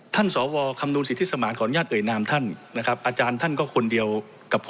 ท่านสวคำนวลสิทธิสมาธิขออนุญาตเอ่ยนามท่านนะครับ